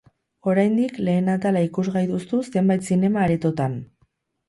Oraindik lehen atala ikusgai duzu zenbait zinema-aretotan.